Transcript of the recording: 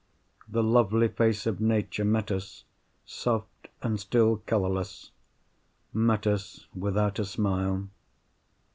The lovely face of Nature met us, soft and still colourless—met us without a smile.